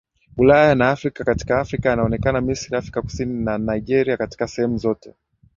Ulaya na Afrika Katika Afrika yameonekana Misri Afrika Kusini na Nigeria katika sehemu zote